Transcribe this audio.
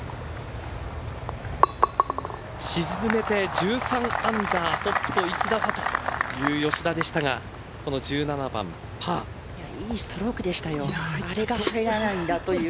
沈めて１３アンダートップと１打差という吉田でしたがいいストロークでした。